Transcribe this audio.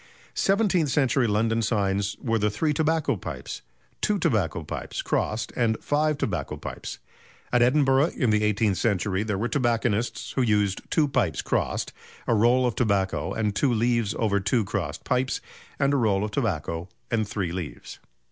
Seventeenth century London signs were the "Three Tobacco Pipes," "Two Tobacco Pipes" crossed, and "Five Tobacco Pipes." At Edinburgh in the eighteenth century there were tobacconists who used two pipes crossed, a roll of tobacco and two leaves over two crossed pipes, and a roll of tobacco and three leaves.